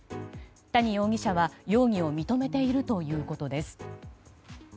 谷容疑者は容疑を認めているということです。